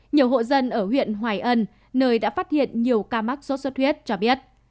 nhiều hộ dân ở huyện hoài ân nơi đã phát hiện nhiều ca mắc sốt xuất huyết cho biết